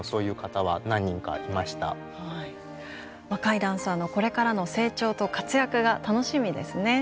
若いダンサーのこれからの成長と活躍が楽しみですね。